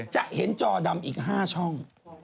จะเห็นจอดำอีก๕ช่อง